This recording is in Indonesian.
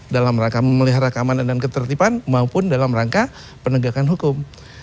dalam rangka memelihara keamanan dan ketertiban maupun dalam rangka penegakan hukum